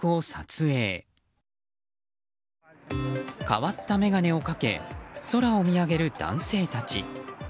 変わった眼鏡をかけ空を見上げる男性たち。